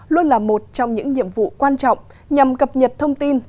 luôn là một trong những nhiệm vụ quan trọng nhằm cập nhật thông tin